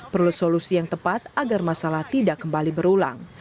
perlu solusi yang tepat agar masalah tidak kembali berulang